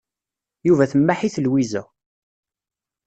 Yuba temmaḥ-it Lwiza.